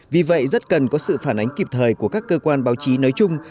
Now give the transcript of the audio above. vì vậy rất cần có sự phản ánh kịp thời của các cơ quan báo chí nói chung